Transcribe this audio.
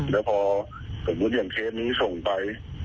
แล้วพอสมมุติอย่างเคสนี้ส่งไป